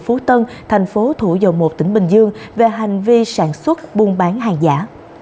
phú tân thành phố thủ dầu một tỉnh bình dương về hành vi sản xuất buôn bán hàng giả